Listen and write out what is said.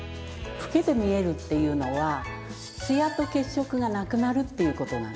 老けて見えるっていうのはツヤと血色がなくなるっていう事なんです。